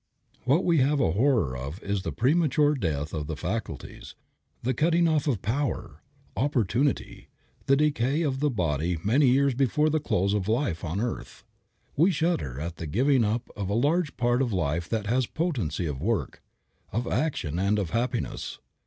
What we have a horror of is the premature death of the faculties, the cutting off of power, opportunity, the decay of the body many years before the close of the life on earth. We shudder at the giving up of a large part of life that has potency of work, of action and of happiness.